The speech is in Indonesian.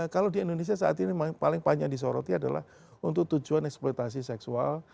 kalau di indonesia saat ini paling panjang disoroti adalah untuk tujuan eksploitasi seksual